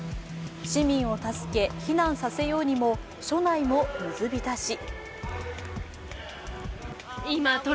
市民を助け、避難させようにも署内も水浸し。